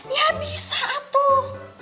ya bisa tuh